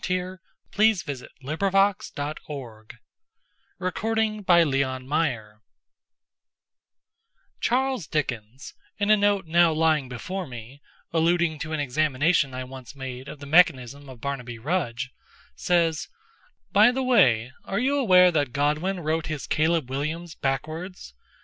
Edgar Allan Poe (1809–1849) XI The Philosophy of Composition CHARLES DICKENS, in a note now lying before me, alluding to an examination I once made of the mechanism of Barnaby Rudge, says—"By the way, are you aware that Godwin wrote his Caleb Williams backwards?